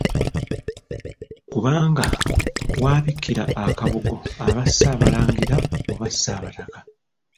Kubanga w'abikkira akabugo aba Ssaabalangira oba Ssaabataka.